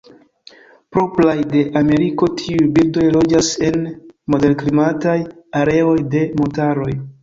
Propraj de Ameriko, tiuj birdoj loĝas en moderklimataj areoj de montaroj.